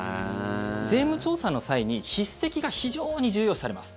税務調査の際に筆跡が非常に重要視されます。